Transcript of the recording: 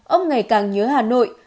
ông ngày càng nhớ hà nội